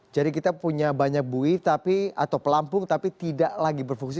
jadi kita punya banyak buoy atau pelampung tapi tidak lagi berfungsi